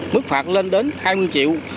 mức phạt lên đến hai mươi triệu